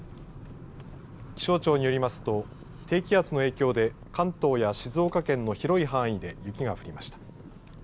気象庁によりますと低気圧の影響で関東や静岡県の広い範囲で雪が降りました。